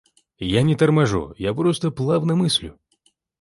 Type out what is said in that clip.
Я не торможу — я просто плавно мыслю.